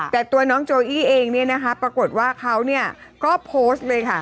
แต่ตัวน้องโจอี้เองเนี่ยนะคะปรากฏว่าเขาก็โพสต์เลยค่ะ